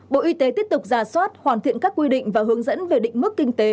bộ y tế tiếp tục ra soát hoàn thiện các quy định và hướng dẫn về định mức kinh tế